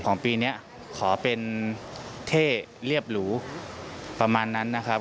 ปีนี้ขอเป็นเท่เรียบหรูประมาณนั้นนะครับ